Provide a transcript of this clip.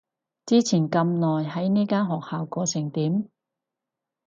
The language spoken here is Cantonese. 之前咁耐喺呢間學校過成點？